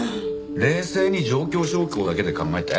冷静に状況証拠だけで考えて。